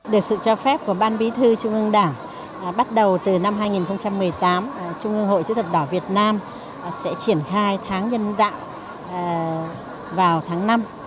được sự cho phép của ban bí thư trung ương đảng bắt đầu từ năm hai nghìn một mươi tám trung ương hội chữ thập đỏ việt nam sẽ triển khai tháng nhân đạo vào tháng năm